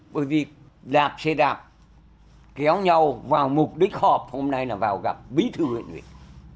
bởi vì đạp xe đạp kéo nhau vào mục đích họp hôm nay là vào gặp bí thư huyện ủy